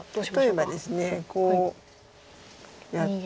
例えばですねこうやって。